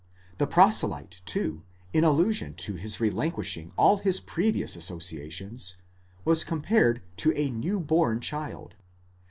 The proselyte, too, in allusion to his relinquishing all his previous associations, was compared to a new born child.?